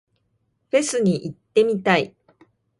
フェスに行ってみたい。